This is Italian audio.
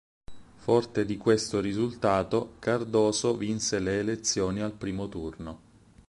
Forte di questo risultato, Cardoso vinse le elezioni al primo turno.